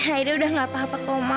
aida udah gak apa apa kok ma